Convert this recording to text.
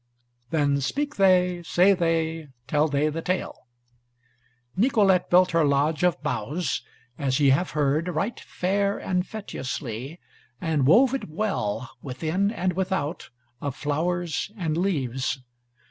Then speak they, say they, tell they the Tale: Nicolete built her lodge of boughs, as ye have heard, right fair and feteously, and wove it well, within and without, of flowers and leaves.